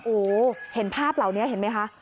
โอ้โหเห็นภาพเหล่านี้เห็นไหมคะ